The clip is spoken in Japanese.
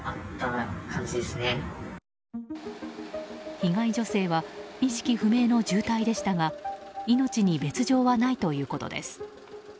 被害女性は意識不明の重体でしたが命に別条はないということです。